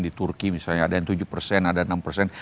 di turki misalnya ada yang tujuh persen ada enam persen